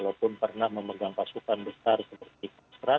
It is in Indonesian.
dan pak yudo juga pernah memegang pasukan besar seperti ksad